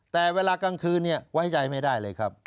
แต่เวลากลางคืนไว้ใจไม่ได้เลยครับ